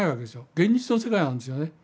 現実の世界なんですよね。